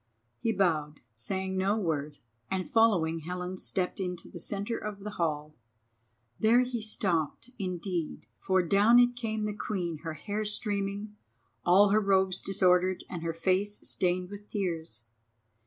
He bowed, saying no word, and following Helen stepped into the centre of the hall. There he stopped, indeed, for down it came the Queen, her hair streaming, all her robes disordered, and her face stained with tears.